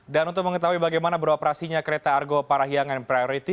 dan untuk mengetahui bagaimana beroperasinya kereta argo parahiangan priority